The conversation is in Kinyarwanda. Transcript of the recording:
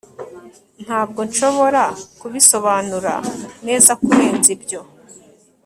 Ntabwo nshobora kubisobanura neza kurenza ibyo